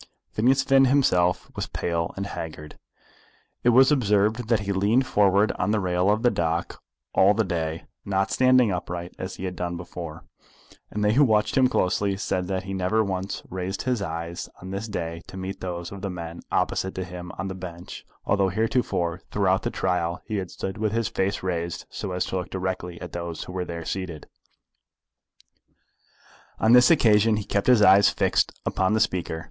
Phineas himself was pale and haggard. It was observed that he leaned forward on the rail of the dock all the day, not standing upright as he had done before; and they who watched him closely said that he never once raised his eyes on this day to meet those of the men opposite to him on the bench, although heretofore throughout the trial he had stood with his face raised so as to look directly at those who were there seated. On this occasion he kept his eyes fixed upon the speaker.